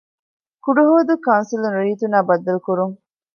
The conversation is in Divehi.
ކުޑަހުވަދޫ ކައުންސިލުން ރައްޔިތުންނާ ބައްދަލުކުރުން